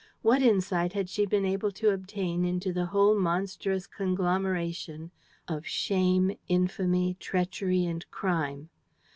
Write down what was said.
What insight had she been able to obtain into the whole monstrous conglomeration of shame, infamy, treachery and crime?